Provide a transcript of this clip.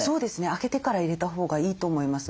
開けてから入れたほうがいいと思います。